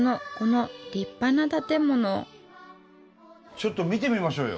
ちょっと見てみましょうよ。